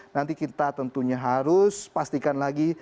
nanti kita tentunya harus pastikan lagi